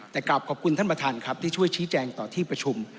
แต่กลับขอบคุณท่านประธานครับที่ช่วยชี้แจงต่อที่ประชุม